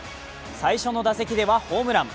最初の打席ではホームラン。